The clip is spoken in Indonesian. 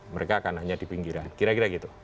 mereka akan hanya di pinggiran kira kira gitu